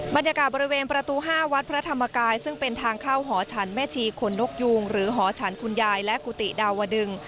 บรรยากาศบริเวณประตู๕วัดพระธรรมกายซึ่งเป็นทางเข้าหอฉันแม่ชีคนนกยูงหรือหอฉันคุณยายและกุฏิดาวดึง